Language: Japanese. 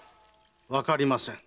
わかりません。